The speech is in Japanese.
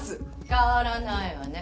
変わらないわね。